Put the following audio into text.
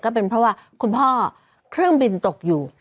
ก็เป็นเพราะว่าคุณพ่อเครื่องบินตกอยู่